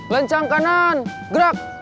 lencang kanan gerak